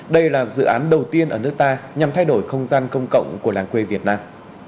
đây là dự án đầu tiên ở nước ta nhằm thay đổi không gian công cộng của làng quê việt nam